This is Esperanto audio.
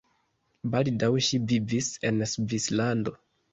Baldaŭ ŝi vivis en Svislando.